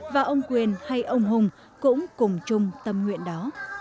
và ông quyền hay ông hùng cũng cùng chung tâm nguyện đó